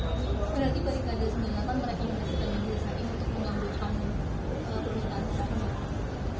berarti barikada sembilan puluh delapan merekomendasikan yang disampaikan untuk mengambil kamu ke penilaian sahamnya